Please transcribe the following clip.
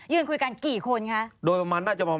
ยืนคุยกันกี่คนฮะ